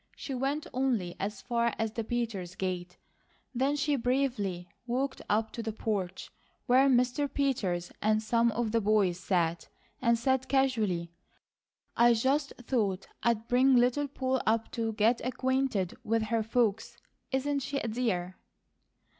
She went only as far as the Peters gate; then she bravely walked up to the porch, where Mr. Peters and some of the boys sat, and said casually: "I just thought I'd bring Little Poll up to get acquainted with her folks. Isn't she a dear?"